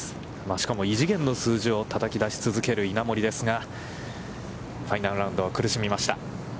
しかも異次元の数字をたたき出し続ける稲森ですが、ファイナルラウンドは苦しみました。